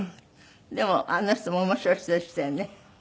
でもあの人も面白い人でしたよね。